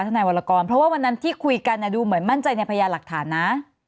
ทนายวรกรเพราะว่าวันนั้นที่คุยกันดูเหมือนมั่นใจในพยานหลักฐานนะ